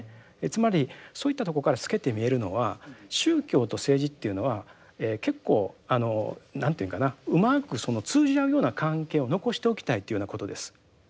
つまりそういったとこから透けて見えるのは宗教と政治っていうのは結構あの何て言うかなうまくその通じ合うような関係を残しておきたいっていうようなことです。